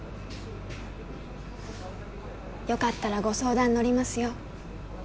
よかったらご相談乗りますよ